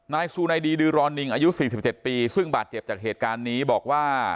ซูไนดีดือรอนิงอายุ๔๗ปีซึ่งบาดเจ็บจากเหตุการณ์นี้บอกว่า